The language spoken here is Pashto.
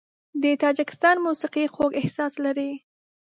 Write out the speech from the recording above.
د تاجکستان موسیقي خوږ احساس لري.